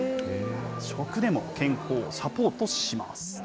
食でも健康をサポートします。